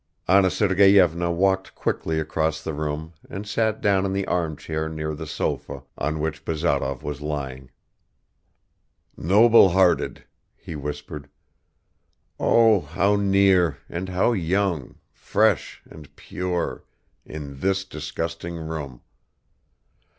Anna Sergeyevna walked quickly across the room and sat down in the armchair near the sofa on which Bazarov was lying. "Noble hearted," he whispered. "Oh, how near, and how young, fresh and pure ... in this disgusting room!